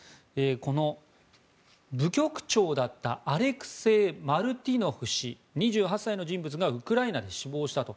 この部局長だったアレクセイ・マルティノフ氏２８歳の人物がウクライナで死亡したと。